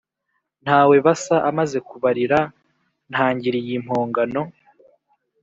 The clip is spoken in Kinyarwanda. ntawebasa amaze kubarira ntangiriy-impongano